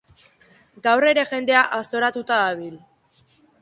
Gaur ere jendea aztoratuta dabil